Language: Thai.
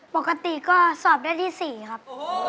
ปกติก็สอบได้ที่๔ครับ